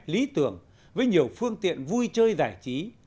lý tưởng với nhiều phương tiện vui chơi giải trí